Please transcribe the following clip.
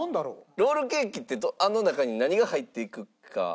ロールケーキってあの中に何が入っていくか。